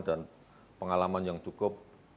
dan pengalaman yang cukup